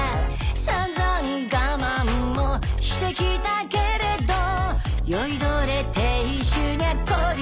さんざん我慢もしてきたけれど酔いどれ亭主にゃこり